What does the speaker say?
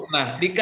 nah di kib ya